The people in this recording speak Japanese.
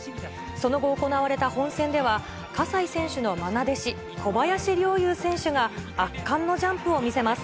その後行われた本戦では、葛西選手のまな弟子、小林陵侑選手が圧巻のジャンプを見せます。